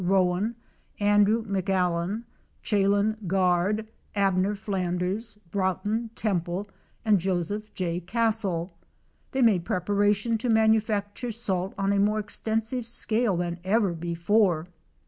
Rowan, Andrew Mc AUan, Chalon Guard, Abner Flanders, Broughton Temple and Jo seph J. Castle. They made preparation to manufacture salt on a more extensive scale than ever before.